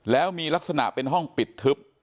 แล้วมีลักษณะเป็นห้องปิดทึบ